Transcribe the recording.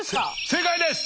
正解です。